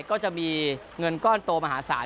ก็จะมีเงินก้อนโตมหาศาล